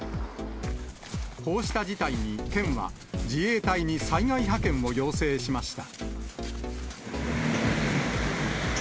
こうした事態に県は、自衛隊に災害派遣を要請しました。